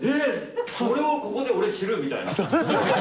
それをここで知るみたいな？